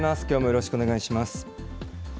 きょうもよろしくお願いします。